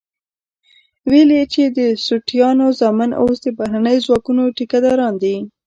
ويل يې چې د سوټيانو زامن اوس د بهرنيو ځواکونو ټيکه داران دي.